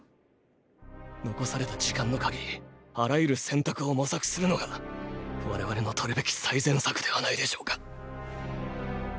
残された時間の限りあらゆる選択を模索するのが我々の取るべき最善策ではないでしょうか？